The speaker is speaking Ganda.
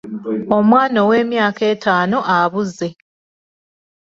Omwana ow'emyaka etaano abuze.